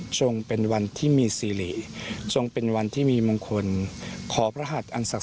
ทรงเป็นวันที่มีซีรีทรงเป็นวันที่มีมงคลขอพระหัสอันศักดิ์